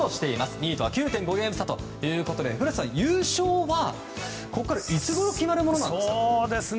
２位とは９．５ゲーム差ということで古田さん、優勝はここからいつごろ決まるものですか？